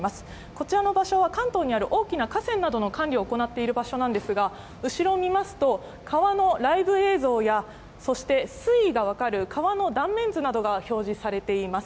こちらの場所は、関東にある大きな河川などの管理を行っている場所なんですが、後ろを見ますと、川のライブ映像や、そして水位が分かる川の断面図などが表示されています。